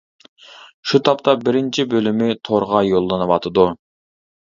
شۇ تاپتا بىرىنچى بۆلۈمى تورغا يوللىنىۋاتىدۇ.